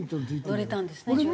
乗れたんですね１６歳。